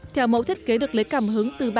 theo mẫu thiết kế được lấy cảm hứng từ ba hòn đảo